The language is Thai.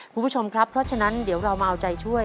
คุณผู้ชมครับเพราะฉะนั้นเดี๋ยวเรามาเอาใจช่วย